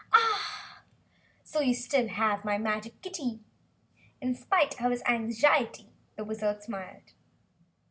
"Ah so you still have my magic kitty!" In spite of his anxiety the Wizard smiled.